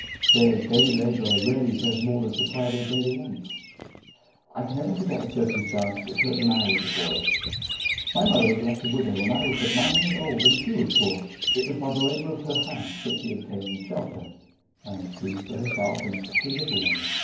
Their daily labour rarely does more than supply their daily wants. I can never forget a circumstance that occurred when I was a boy. My mother was left a widow when I was but nine years old and she was poor. It was by the labour of her hands that she obtained shelter and food for herself and three little ones.